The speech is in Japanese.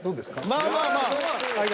まあまあまあ。